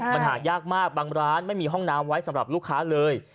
มันหายากมากบางร้านไม่มีห้องน้ำไว้สำหรับลูกค้าเลย